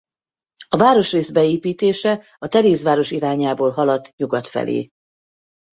A városrész beépítése a Terézváros irányából haladt nyugat felé.